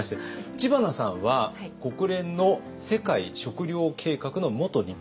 知花さんは国連の世界食糧計画の元日本大使。